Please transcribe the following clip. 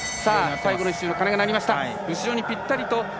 最後の鐘が鳴りました。